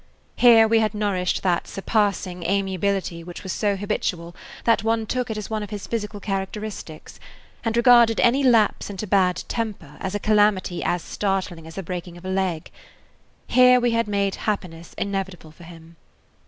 Here we had nourished that surpassing amiability which was so habitual that one took it as one of his physical characteristics, and regarded any lapse into bad temper as a calamity as startling as the breaking of a leg; here we had made happiness inevitable for him.